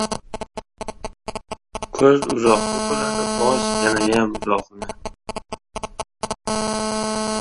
• Ko‘z uzoqni ko‘radi, bosh yanayam — uzoqni.